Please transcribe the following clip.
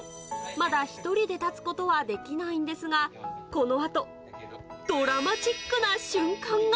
まだ１人で立つことはできないんですが、このあと、ドラマチックな瞬間が。